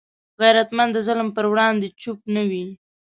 غیرتمند د ظلم پر وړاندې چوپ نه وي